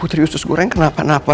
putri usus goreng kenapa napa